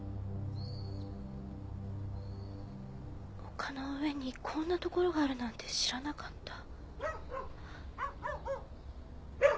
丘の上にこんな所があるなんて知らなかった。